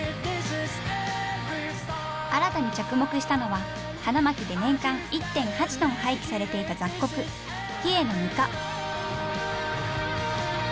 新たに着目したのは花巻で年間１．８トン廃棄されていた雑穀ヒエのヌカ。